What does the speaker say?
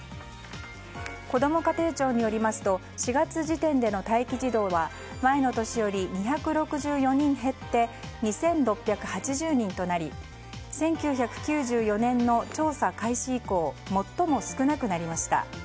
こども家庭庁によりますと４月時点での待機児童は前の年より２６４人減って２６８０人となり１９９４年の調査開始以降最も少なくなりました。